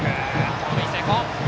盗塁成功。